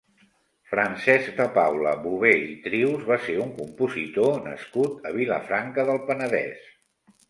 Francesc de Paula Bové i Trius va ser un compositor nascut a Vilafranca del Penedès.